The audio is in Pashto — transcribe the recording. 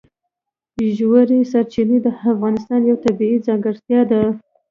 ژورې سرچینې د افغانستان یوه طبیعي ځانګړتیا ده.